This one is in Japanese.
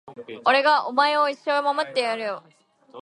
俺がお前を一生守ってやるよ